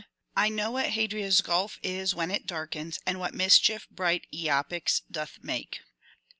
10. ^^ I know what Hadria's gulf is when it darkens, and what mischief bright lapyx doth make."